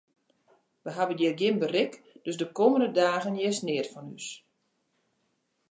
Wy hawwe hjir gjin berik, dus de kommende dagen hearst neat fan ús.